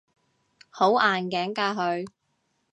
好硬頸㗎佢